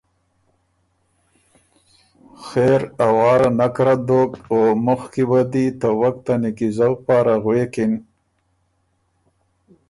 خېر ا واره نک رد دوک او مُخ کی وه دی ته وک ته نیکیزؤ پاره غوېکِن